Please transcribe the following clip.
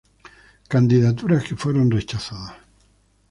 Candidaturas que fueron rechazadas.